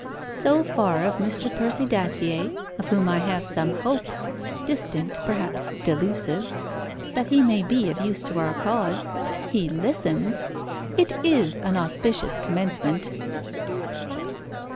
So far of Mr. Percy Dacier, of whom I have some hopes distant, perhaps delusive that he may be of use to our cause. He listens. It is an auspicious commencement.'